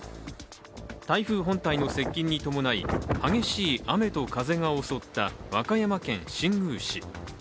台風本体の接近に伴い激しい雨と風が襲った和歌山県新宮市。